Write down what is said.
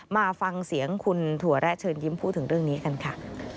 มาฟังเสียงคุณถั่วแระเชิญยิ้มพูดถึงเรื่องนี้กันค่ะ